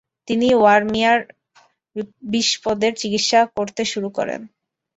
তিনি ওয়ারমিয়ার বিসপদের চিকিৎসা করতে শুরু করেন।